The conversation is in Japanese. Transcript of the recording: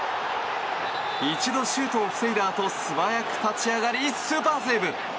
一度シュートを防いだあと素早く立ち上がりスーパーセーブ！